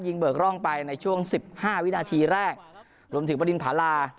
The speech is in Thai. เบิกร่องไปในช่วงสิบห้าวินาทีแรกรวมถึงบรินภารา